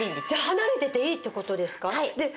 離れてていいって事ですか？